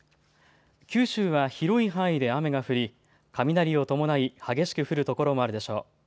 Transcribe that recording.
九州は広い範囲で雨が降り雷を伴い、激しく降る所もあるでしょう。